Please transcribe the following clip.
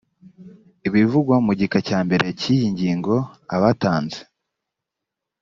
ibivugwa mu gika cya mbere cy iyi ngingo abatanze